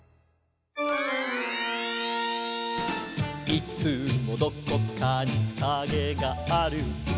「いつもどこかにカゲがある」